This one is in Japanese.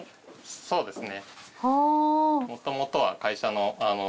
そうですね。